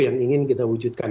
yang ingin kita wujudkan